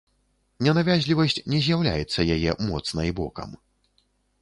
Ненавязлівасць не з'яўляецца яе моцнай бокам.